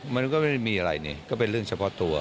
มันก็ไม่ได้มีอะไรนี่ก็เป็นเรื่องเฉพาะตัว